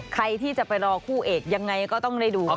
ใครที่จะไปรอคู่เอกยังไงก็ต้องได้ดู